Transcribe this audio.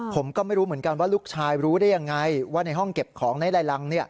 ผมก็ไม่รู้เหมือนกันว่าลูกชายรู้ได้ยังไงว่าในห้องเก็บของในลายรัง